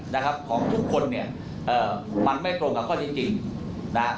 นะครับของทุกคนเนี่ยเอ่อมันไม่ตรงกับข้อจริงจริงนะฮะ